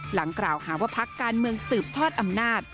หลังกล่าวหาว่าพักการเมืองสืบทอดอำนาจ